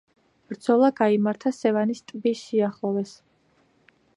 ბრძოლა გაიმართა სევანის ტბის სიახლოვეს.